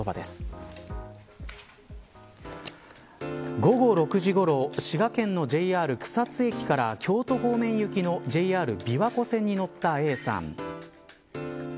午後６時ごろ滋賀県のＪＲ草津駅から京都方面行きのＪＲ琵琶湖線に乗ったＡさん。